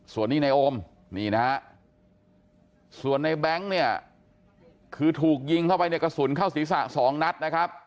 ส่วนนี้ในโอมนี่นะฮะส่วนในแบงค์เนี่ยคือถูกยิงเข้าไปในกระสุนเข้าศีรษะ๒นัดนะครับ